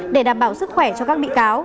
để đảm bảo sức khỏe cho các bị cáo